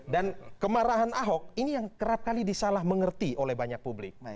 dan kemarahan ahok ini yang kerap kali disalah mengerti oleh banyak publik